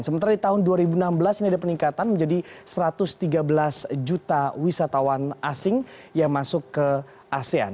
sementara di tahun dua ribu enam belas ini ada peningkatan menjadi satu ratus tiga belas juta wisatawan asing yang masuk ke asean